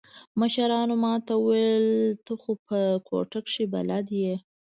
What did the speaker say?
مشرانو ما ته وويل ته خو په کوټه کښې بلد يې.